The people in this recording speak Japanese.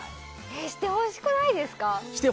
してほしくないですか？